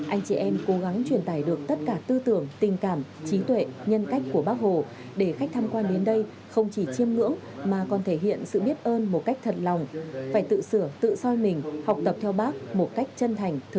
anh chị em cố gắng truyền tải được tất cả tư tưởng tình cảm trí tuệ nhân cách của bác hồ để khách tham quan đến đây không chỉ chiêm ngưỡng mà còn thể hiện sự biết ơn một cách thật lòng phải tự sửa tự soi mình học tập theo bác một cách chân thành